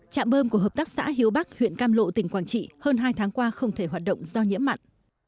trạm bơm của hợp tác xã hiếu bắc huyện cam lộ tỉnh quảng trị hơn hai tháng qua không thể hoạt động do nhiễm mặn